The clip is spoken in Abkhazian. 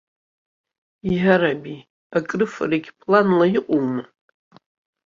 Иараби, акрыфарагьы планла иҟоума?!